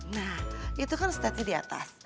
nah itu kan stepnya di atas